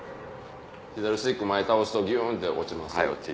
左スティック前倒すとギュンって落ちます。